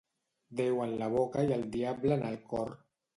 Déu en la boca i el diable en el cor.